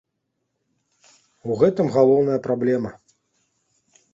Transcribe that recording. У гэтым галоўная праблема.